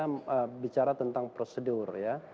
jadi biasanya bicara tentang prosedur ya